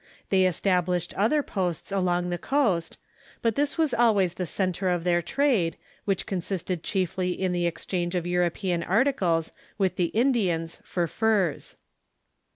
They established other posts along the coast, but this was always the centre of their trade, which consisted chiefly in the exchange of Euro pean articles with the Indians for furs.